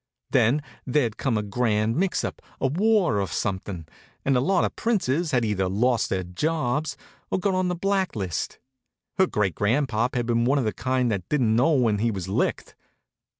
Then there'd come a grand mix up, a war or something, and a lot of princes had either lost their jobs or got on the blacklist. Her great grandpop had been one of the kind that didn't know when he was licked.